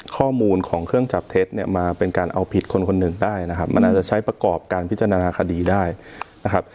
ข้อมูลของเครื่องจับเท็จเนี่ยมาเป็นการเอาผิดคนคนหนึ่งได้นะครับมันอาจจะใช้ประกอบการพิจารณาคดีได้นะครับ